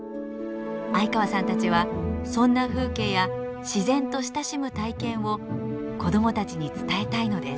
相川さんたちはそんな風景や自然と親しむ体験を子どもたちに伝えたいのです。